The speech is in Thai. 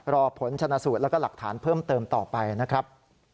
รอผลชนะสูตรแล้วก็หลักฐานเพิ่มเติมต่อไปนะครับ